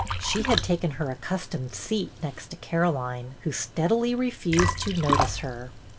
She had taken her accustomed seat next to Caroline, who steadily refused to notice her.